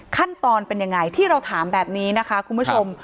ขั้นตอนเป็นยังไงที่เราถามแบบนี้นะคะคุณผู้ชม